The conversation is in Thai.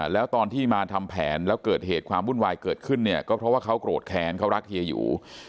แล้วตอนที่มาทำแผนแล้วเกิดเหตุความวุ่นวายเกิดขึ้นเนี่ยก็เพราะว่าเขาโกรธแค้นเขารักเฮียหยู